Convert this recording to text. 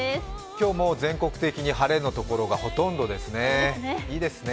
今日も全国的に晴れのところがほとんどですね、いいですね。